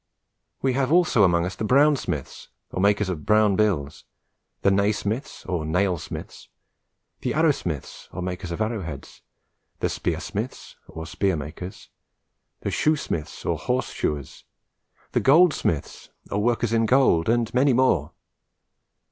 We have also among us the Brownsmiths, or makers of brown bills; the Nasmyths, or nailsmiths; the Arrowsmiths, or makers of arrowheads; the Spearsmiths, or spear makers; the Shoosmiths, or horse shoers; the Goldsmiths, or workers in gold; and many more.